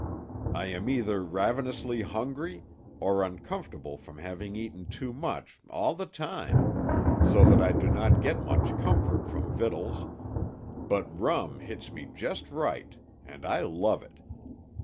I am either ravenously hungry, or uncomfortable from having eaten too much, all the time, so that I do not get much comfort from victuals; but rum hits me just right, and I love it.